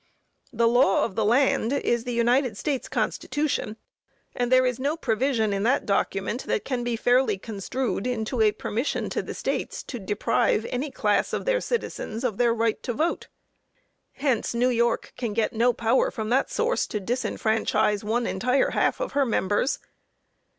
"The law of the land," is the United States Constitution: and there is no provision in that document that can be fairly construed into a permission to the States to deprive any class of their citizens of their right to vote. Hence New York can get no power from that source to disfranchise one entire half of her members.